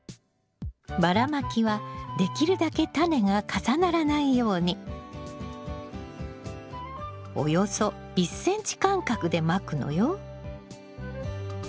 ばらまきはできるだけタネが重ならないようにおよそ１ｃｍ間隔でまくのよ。